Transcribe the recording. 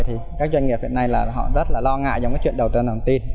thì các doanh nghiệp hiện nay rất là lo ngại dòng chuyện đầu tư an toàn tin